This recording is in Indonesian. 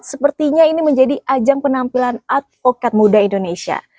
sepertinya ini menjadi ajang penampilan advokat muda indonesia